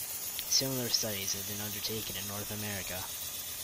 Similar studies have been undertaken in North America.